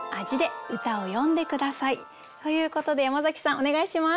ということで山崎さんお願いします。